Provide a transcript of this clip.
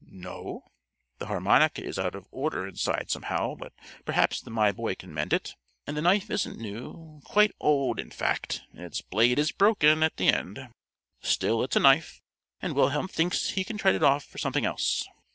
"No; the harmonica is out of order inside somehow, but perhaps my boy can mend it. And the knife isn't new quite old, in fact and its blade is broken at the end; still, it's a knife, and Wilhelm thinks he can trade it off for something else.